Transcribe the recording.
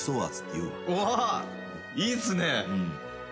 うわぁいいっすね！